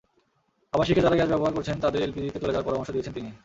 আবাসিকে যাঁরা গ্যাস ব্যবহার করছেন, তাঁদের এলপিজিতে চলে যাওয়ার পরামর্শ দিয়েছেন তিনি।